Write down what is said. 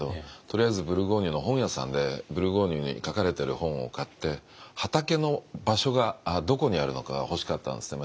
とりあえずブルゴーニュの本屋さんでブルゴーニュに書かれてる本を買って畑の場所がどこにあるのかが欲しかったんですね